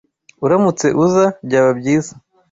Uramutse uza, byaba byiza.